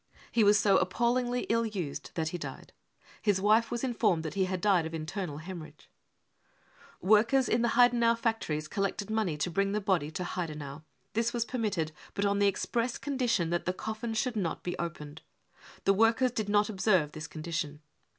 He was so appal lingly ill used that he died. His wife was informed that he had died of internal hemorrhage. " Workers in the Heidenau factories collected money to bring the body to Heidenau. This was permitted, but on the express condition that the coffin should not be opened \ The workers did not observe \ this condition.